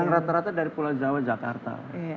yang rata rata dari pulau jawa jakarta